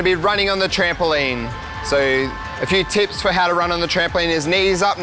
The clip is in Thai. ตัวเทียมที่ต้องการกันคือหัวข้างล่างดูดับขึ้น